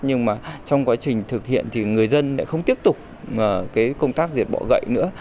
nhưng mà trong quá trình thực hiện thì người dân lại không tiếp tục cái công tác diệt bỏ gậy nữa